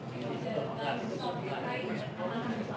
jadi sikap dari pak pertai bokar sendiri seperti apa melihat